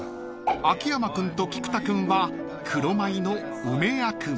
［秋山君と菊田君は黒米の梅薬味］